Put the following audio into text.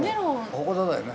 鉾田だよね。